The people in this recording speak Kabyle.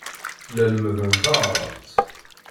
La lemmden taɛṛabt.